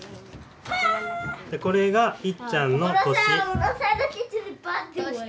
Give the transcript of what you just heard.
これがいっちゃんの年。